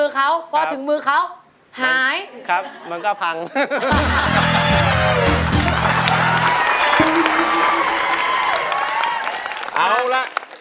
เขาฝนซื่อด้วยไงฮะ